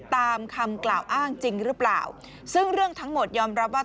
ตามคำกล่าวอ้างจริงหรือเปล่าซึ่งเรื่องทั้งหมดยอมรับว่า